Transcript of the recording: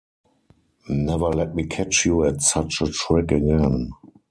Never let me catch you at such a trick again.